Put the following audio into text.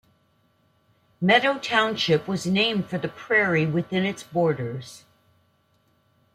Meadow Township was named for the prairie within its borders.